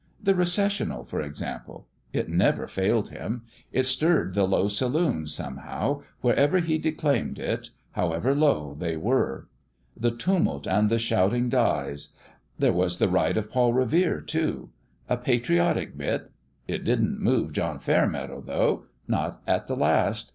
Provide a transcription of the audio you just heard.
The Recessional, for ex ample. It never failed him. It stirred the low saloons, somehow, wherever he declaimed it, how ever low they were. The turmilt and the shout ing dies. ... There was The Ride of Paul Revere, too. A patriotic bit. It didn't move John Fairmeadow, though : not at the last.